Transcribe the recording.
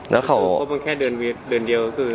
บ๊วยเดี๋ยวแสดงว่าแค่เดือนเดียวคือ